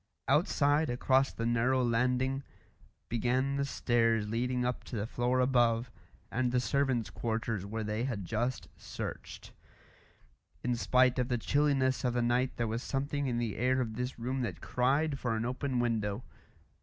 Outside, across the narrow landing, began the stairs leading up to the floor above, and the servants' quarters where they had just searched. In spite of the chilliness of the night there was something in the air of this room that cried for an open window.